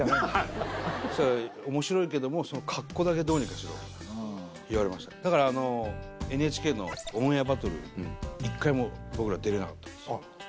そしたら面白いけどもその格好だけどうにかしろと言われましたねだからＮＨＫの『オンエアバトル』１回も僕ら出れなかったです。